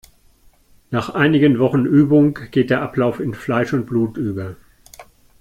Nach einigen Wochen Übung geht der Ablauf in Fleisch und Blut über.